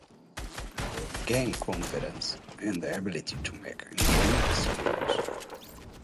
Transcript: Gain confidence and the ability to make informed decisions.